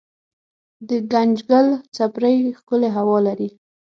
دګنجګل څپری ښکلې هوا لري